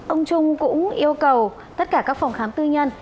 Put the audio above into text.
ông trung cũng yêu cầu tất cả các phòng khám tư nhân